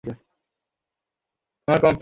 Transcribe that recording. ও আমার বোনের মেয়ে।